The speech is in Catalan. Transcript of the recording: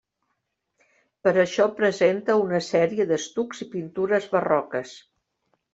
Per això presenta una sèrie d'estucs i pintures barroques.